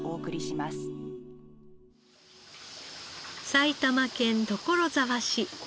埼玉県所沢市。